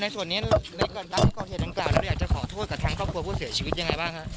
ในส่วนนี้รักษาประเทศอังการอยากจะขอโทษกับทั้งต้องกลัวผู้เสียชีวิตยังไงบ้างครับ